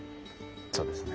そうですね。